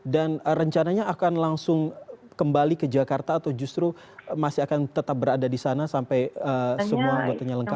dan rencananya akan langsung kembali ke jakarta atau justru masih akan tetap berada di sana sampai semua anggotanya lengkap